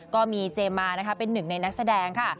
ก็มีเจมมานะคะเป็นหนึ่งในนักแสดงค่ะ